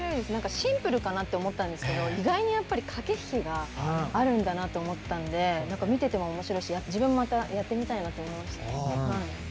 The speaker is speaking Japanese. シンプルかなと思ったんですけど意外に、やっぱり駆け引きがあるんだなと思ったんでなんか見ててもおもしろいし自分も、またやってみたいなと思いました。